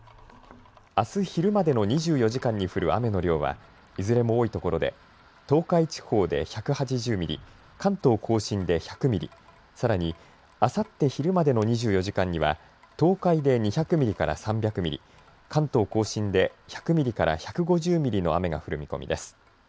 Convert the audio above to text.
あす昼までの２４時間に降る雨の量は、いずれも多いところで東海地方で１８０ミリ、関東甲信で１００ミリ、さらにあさって昼までの２４時間には東海で２００ミリから３００ミリ、関東甲信で１００ミリから１５０ミリの雨が降る見込みです。